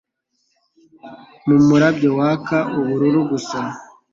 Mumurabyo waka ubururu gusa